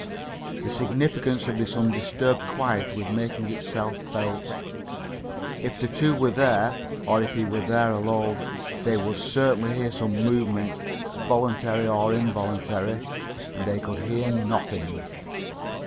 The significance of this undisturbed quiet was making itself felt. If the two were there, or if he were there alone, they would certainly hear some movement, voluntary or involuntary and they could hear nothing.